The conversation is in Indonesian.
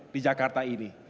di jakarta ini